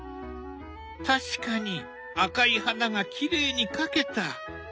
確かに赤い花がきれいに描けた。